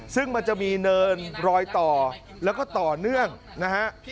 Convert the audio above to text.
ซึ่งมันจะมีเนินรอยต่อแล้วก็ต่อเนื่องนะฮะ